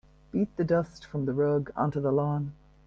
Beat the dust from the rug onto the lawn.